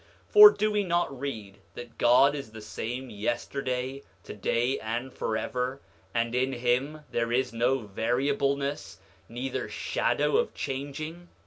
9:9 For do we not read that God is the same yesterday, today, and forever, and in him there is no variableness neither shadow of changing?